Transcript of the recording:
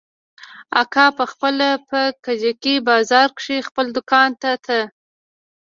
اکا پخپله په کجکي بازار کښې خپل دوکان ته ته.